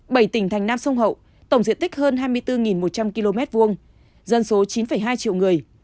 bảy tỉnh thành nam sông hậu tổng diện tích hơn hai mươi bốn một trăm linh km hai dân số chín hai triệu người